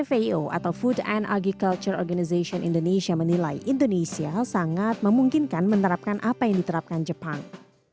fao atau food and agriculture organization indonesia menilai indonesia sangat memungkinkan menerapkan apa yang diterapkan jepang